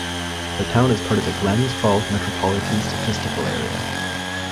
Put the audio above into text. The town is part of the Glens Falls Metropolitan Statistical Area.